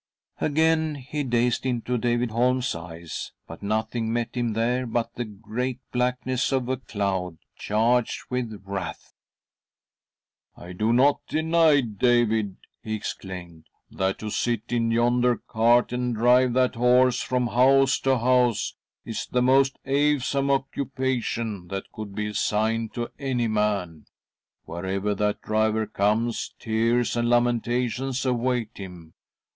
Again he gazed into David Holm's eyes, but nothing met him there but the great blackness of a cloud charged with wrath. " I do not ifleny, David," he exclaimed, " that to sit in yonder cart and drive that horse from house to house is the most awesome occupation that could be assigned to any man. Wherever that driver comes, tears and lamentations await him